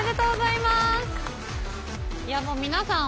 いやもう皆さん